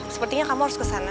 sepertinya kamu harus ke sana